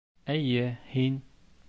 — Эйе, һин.